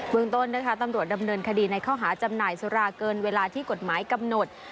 เมืองต้นนะคะตำรวจดำเนินคดีในข้อหาจำหน่ายสุราเกินเวลาที่กฎหมายกำหนด